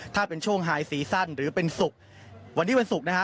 ถ้าเป็นช่วงไฮซีสั้นหรือเป็นศุกร์วันนี้วันศุกร์นะฮะ